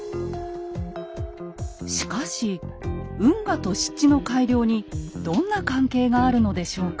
しかし運河と湿地の改良にどんな関係があるのでしょうか。